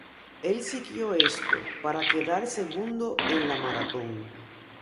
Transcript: Él siguió esto, para quedar segundo en la maratón.